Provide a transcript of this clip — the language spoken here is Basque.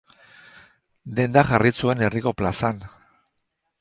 Denda jarri zuen herriko plazan.